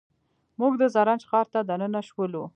موږ د زرنج ښار ته دننه شولو.